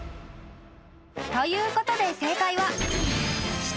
［ということで正解は］